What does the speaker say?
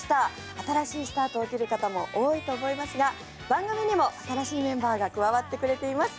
新しいスタートを切る方も多いと思いますが番組にも新しいメンバーが加わってくれています。